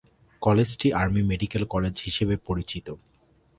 কলেজটি army medical college হিসেবে পরিচিত।